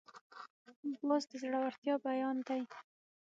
باز د زړورتیا بیان دی